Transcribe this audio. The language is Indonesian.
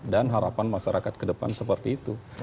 dan harapan masyarakat ke depan seperti itu